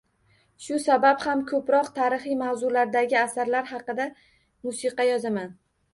Shu sabab ham ko’proq tarixiy mavzulardagi asarlar asosida musiqa yozaman.